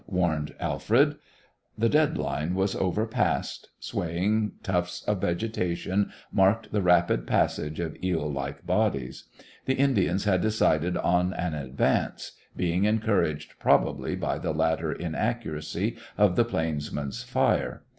warned Alfred. The dead line was overpassed. Swaying tufts of vegetation marked the rapid passage of eel like bodies. The Indians had decided on an advance, being encouraged probably by the latter inaccuracy of the plainsmen's fire.